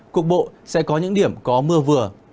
cục bộ sẽ có những điểm có mưa vừa